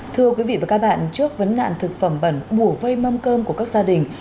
thưa quý vị và các bạn trước vấn nạn thực phẩm bẩn bùa vây mâm cơm của các gia đình